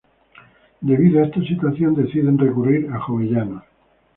Debido a esta situación, deciden recurrir a Jovellanos.